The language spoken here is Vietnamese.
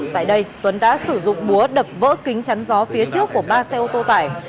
tại đây tuấn đã sử dụng búa đập vỡ kính chắn gió phía trước của ba xe ô tô tải